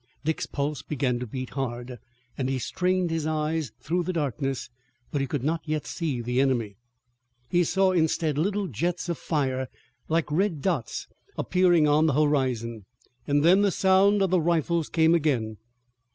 Dick's pulse began to beat hard, and he strained his eyes through the darkness, but he could not yet see the enemy. He saw instead little jets of fire like red dots appearing on the horizon, and then the sound of the rifles came again.